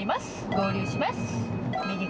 合流します。